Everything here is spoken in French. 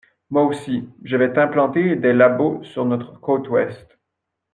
Moi aussi, je vais t’implanter des labos sur notre côte ouest.